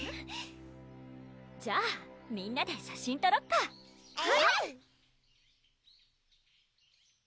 じゃあみんなで写真とろっかうん！